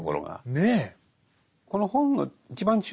ねえ。